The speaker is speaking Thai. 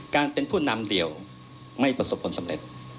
การเป็นผู้นำเดียวไม่ประสบผลสำเร็จ